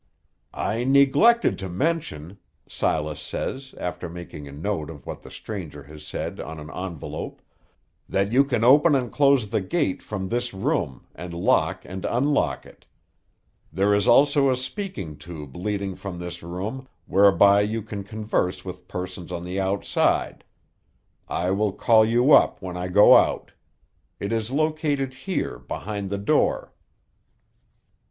"I neglected to mention," Silas says, after making a note of what the stranger has said on an envelope, "that you can open and close the gate from this room, and lock and unlock it. There is also a speaking tube leading from this room, whereby you can converse with persons on the outside. I will call you up when I go out. It is located here, behind the door."